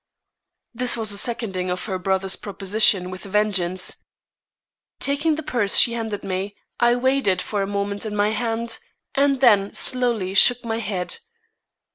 This was a seconding of her brother's proposition with a vengeance. Taking the purse she handed me, I weighed it for a moment in my hand, and then slowly shook my head.